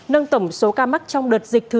nâng tổng số ca mắc trong đợt dịch thứ hai